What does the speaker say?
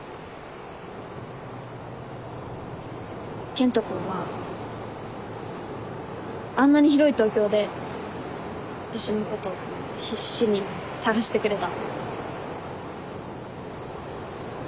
健人君はあんなに広い東京で私のこと必死に捜してくれた。